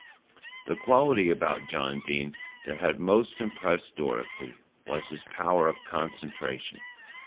The quality about John Dene that had most impressed Dorothy was his power of concentration.